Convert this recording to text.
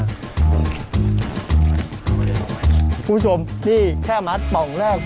คุณผู้ชมที่แค่มัดป่องแรก